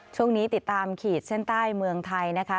ช่วงนี้ติดตามขีดเช่นใต้เมืองไทยนะคะ